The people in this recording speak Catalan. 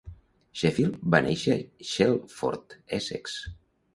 Sheffield va néixer a Chelmsford, Essex.